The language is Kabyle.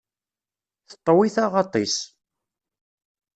Teṭwi taɣaḍt-is.